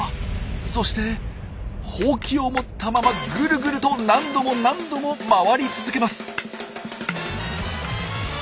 そしてホウキを持ったままグルグルと何度も何度も回り続けます。